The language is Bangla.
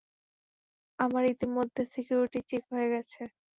আমার ইতোমধ্যে সিকিউরিটি চেক হয়ে গেছে।